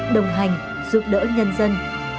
đồng hành giúp đỡ nhân dân